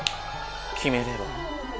きめれば？